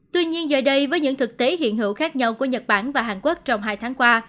tuy nhiên giờ đây với những thực tế hiện hữu khác nhau của nhật bản và hàn quốc trong hai tháng qua